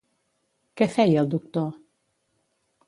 Què feia el doctor?